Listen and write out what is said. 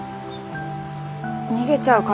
逃げちゃうからです